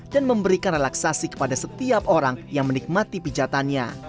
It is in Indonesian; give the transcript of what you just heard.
dan memberikan relaksasi kepada setiap orang yang menikmati pijatannya